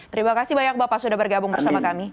terima kasih banyak bapak sudah bergabung bersama kami